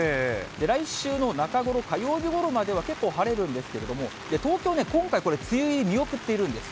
来週の中頃、火曜日ごろまでは結構晴れるんですけれども、東京ね、今回これ、梅雨入り、見送っているんです。